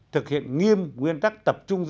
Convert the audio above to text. thực hiện nghiêm nguyên tắc tập trung dân